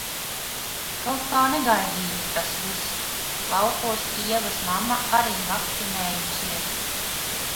Kaut kā negaidīti tas viss! Laukos Ievas mamma arī vakcinējusies.